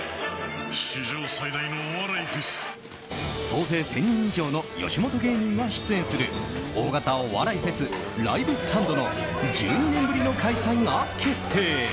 総勢１０００人以上の吉本芸人が出演する大型お笑いフェス「ＬＩＶＥＳＴＡＮＤ」の１２年ぶりの開催が決定。